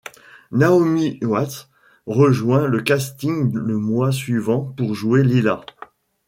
Naomi Watts rejoint le casting le mois suivant pour jouer Lila.